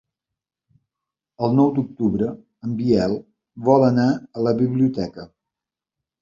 El nou d'octubre en Biel vol anar a la biblioteca.